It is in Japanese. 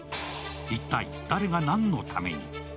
一体、誰が何のために？